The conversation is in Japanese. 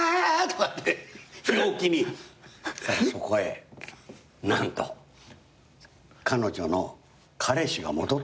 そしたらそこへなんと彼女の彼氏が戻ってきたんですよ。